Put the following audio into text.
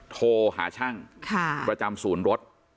โทรหาช่างประจำศูนย์รถ